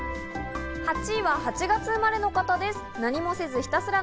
８位は８月生まれの方です。